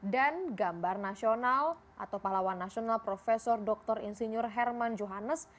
dan gambar nasional atau pahlawan nasional profesor dr insinyur herman johannes